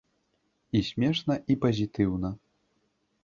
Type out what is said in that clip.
І смешна, і пазітыўна.